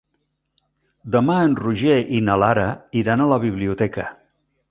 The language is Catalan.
Demà en Roger i na Lara iran a la biblioteca.